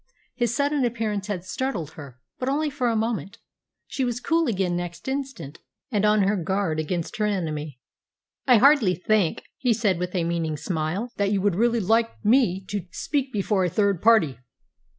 His sudden appearance had startled her, but only for a moment. She was cool again next instant, and on her guard against her enemy. "I hardly think," he said, with a meaning smile, "that you would really like me to speak before a third party."